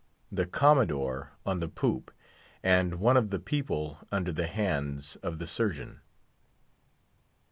THE COMMODORE ON THE POOP, AND ONE OF "THE PEOPLE" UNDER THE HANDS OF THE SURGEON.